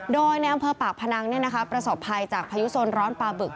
โดยในอำเภอปากพนังประสบภัยจากพายุโซนร้อนปลาบึก